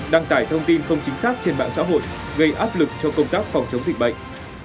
đăng tải thông tin không chính xác trên mạng xã hội gây áp lực cho công tác phòng chống dịch bệnh